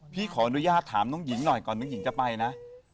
พี่ขออนุญาตถามน้องหญิงหน่อยก่อนน้องหญิงจะไปนะ